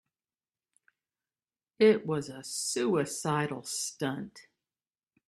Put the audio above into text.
It was a suicidal stunt.